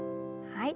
はい。